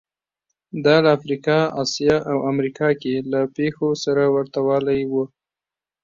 دا له افریقا، اسیا او امریکا کې له پېښو سره ورته والی و